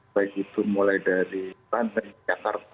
baik itu mulai dari rancang di jakarta